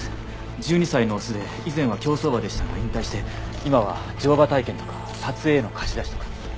１２歳のオスで以前は競走馬でしたが引退して今は乗馬体験とか撮影への貸し出しとか。